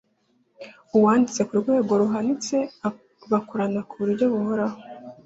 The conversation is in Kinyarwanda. uwanditse ku rwego ruhanitse bakorana ku buryo buhoraho